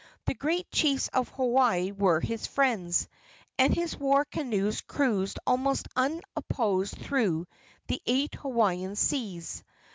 The great chiefs of Hawaii were his friends, and his war canoes cruised almost unopposed throughout the eight Hawaiian seas.